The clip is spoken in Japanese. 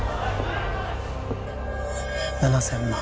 ７０００万